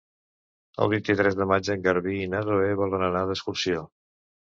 El vint-i-tres de maig en Garbí i na Zoè volen anar d'excursió.